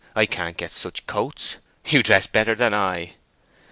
I can't get such coats. You dress better than I."